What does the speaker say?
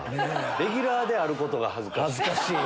レギュラーであることが恥ずかしい。